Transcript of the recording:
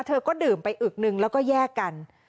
เธอก็ดื่มไปอึกหนึ่งแล้วก็แยกกัน